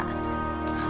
bukan hipotermia dong